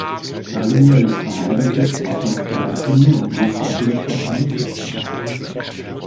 Dallinger ist verheiratet, Vater zweier Kinder und lebt in Hirschberg an der Bergstraße.